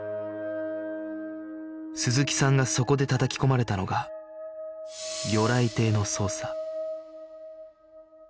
鈴木さんがそこでたたき込まれたのが魚雷艇の操作